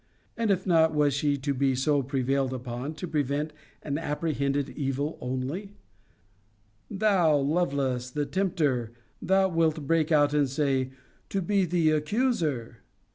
And, if not, was she to be so prevailed upon to prevent an apprehended evil only? Thou, Lovelace, the tempter (thou wilt again break out and say) to be the accuser!